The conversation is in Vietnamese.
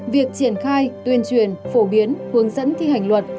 việc triển khai tuyên truyền phổ biến hướng dẫn thi hành luật